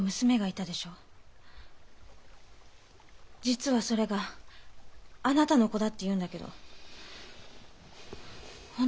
実はそれがあなたの子だっていうんだけど本当なの？